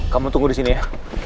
kamu tunggu disini ya